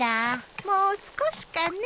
もう少しかね。